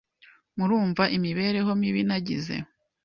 murumva imibereho mibi nagize